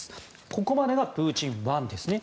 ここまでがプーチン１ですね。